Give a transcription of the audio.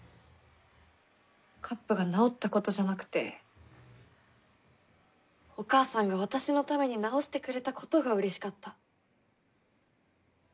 カップが直ったことじゃなくてお母さんが私のために直してくれたことがうれしかった。